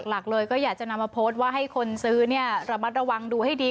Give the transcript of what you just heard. หลักเลยก็อยากจะนำมาโพสต์ว่าให้คนซื้อเนี่ยระมัดระวังดูให้ดี